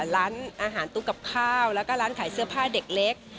ร้านอาหารตู้กับข้าวแล้วก็ร้านขายเสื้อผ้าเด็กเล็ก